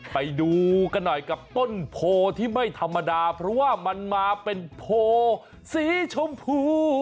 ไปดูกันหน่อยกับต้นโพที่ไม่ธรรมดาเพราะว่ามันมาเป็นโพสีชมพู